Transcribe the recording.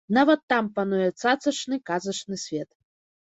Нават там пануе цацачны, казачны свет.